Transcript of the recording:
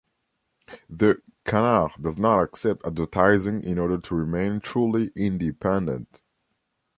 The "Canard" does not accept advertising in order to remain truly independent.